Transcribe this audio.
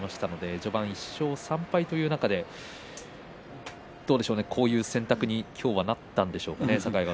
序盤は１勝３敗という中でこういう選択に今日はなったんでしょうか。